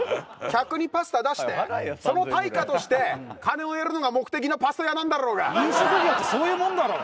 客にパスタ出してその対価として金を得るのが目的のパスタ屋なんだろうが飲食業ってそういうもんだろ